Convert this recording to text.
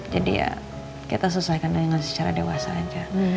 jadi ya kita selesaikan dengan secara dewasa aja